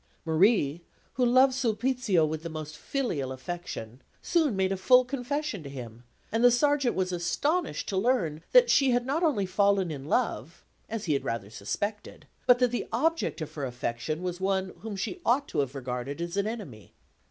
Marie, who loved Sulpizio with the most filial affection, soon made a full confession to him; and the Sergeant was astonished to learn that she had not only fallen in love, as he had rather suspected, but that the object of her affection was one whom she ought to have regarded as an enemy.